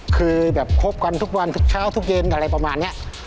คือแบบคบกันทุกวันทุกเช้าทุกเย็นอะไรประมาณนี้